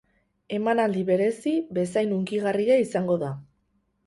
Emanaldi berezi bezain hunkigarria izango da.